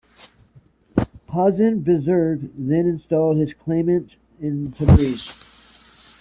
Hasan Buzurg then installed his claimant in Tabriz.